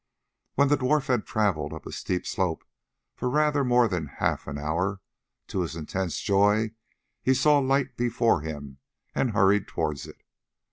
When the dwarf had travelled up a steep slope for rather more than half an hour, to his intense joy he saw light before him and hurried towards it.